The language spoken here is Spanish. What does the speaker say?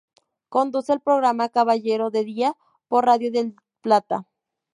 Conduce el programa "Caballero de Día" por Radio Del Plata.